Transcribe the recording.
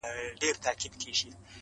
د زړه له درده شاعري کومه ښه کوومه,